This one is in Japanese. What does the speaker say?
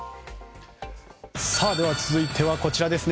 続いてはこちらですね。